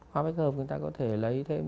hoa bách hợp người ta có thể lấy thêm